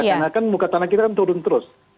karena kan muka tanah kita kan turun terus